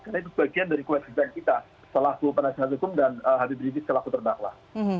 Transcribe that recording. karena itu bagian dari kekuatan kita setelah tuhan penasihat hukum dan habib rizik terlaku terbaklah